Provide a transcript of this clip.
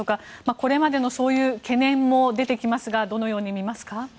これまでのそういう懸念も出てきますがどのように見ますか？